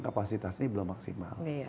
kapasitasnya belum maksimal